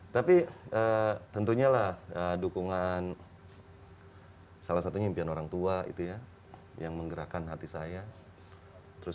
tapi tentunya lah dukungan salah satunya impian orang tua itu ya yang menggerakkan hati saya terus